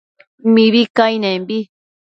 mibi cainenbi